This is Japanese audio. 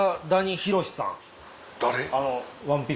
誰？